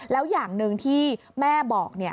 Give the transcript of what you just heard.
แล้วอย่างหนึ่งที่แม่บอก